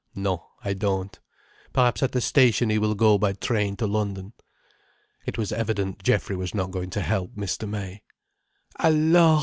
"No—I don't. Perhaps at the station he will go by train to London." It was evident Geoffrey was not going to help Mr. May. "Alors!"